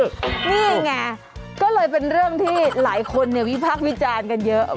นี่ไงก็เลยเป็นเรื่องที่หลายคนวิพากษ์วิจารณ์กันเยอะ